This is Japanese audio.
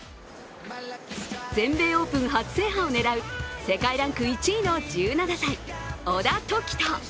全米オープン初制覇を狙う世界ランク１位の１７歳小田凱人。